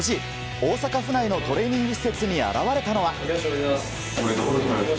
大阪府内のトレーニング施設に現れたのは。